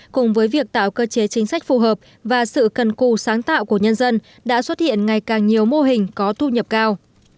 cùng với việc tạo cơ chế chính sách phù hợp và sự cần cù sáng tạo của nhân dân đã xuất hiện ngày càng nhiều mô hình có thu nhập cao